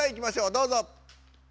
どうぞ。